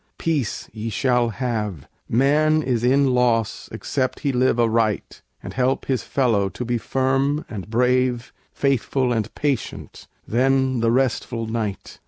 peace ye shall have: Man is in loss except he live aright, And help his fellow to be firm and brave, Faithful and patient: then the restful night!